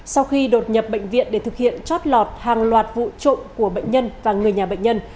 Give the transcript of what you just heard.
sau khi đột nhập bệnh viện để thực hiện chót lọt hàng loạt vụ trộm của bệnh nhân và người nhà bệnh nhân